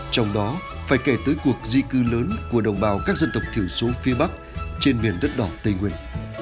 trong đó phải kể tới cuộc di cư lớn của đồng bào các dân tộc thiểu số phía bắc trên miền đất đỏ tây nguyên